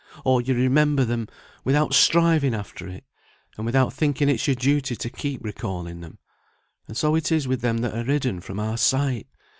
Or you remember them, without striving after it, and without thinking it's your duty to keep recalling them. And so it is with them that are hidden from our sight.